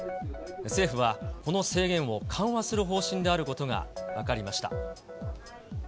政府はこの制限を緩和する方針であることが分かりました。